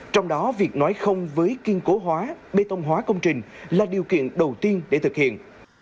trong đó việc nói không với kiên cố hóa bê tông hóa công trình là điều kiện đầu tiên để thực hiện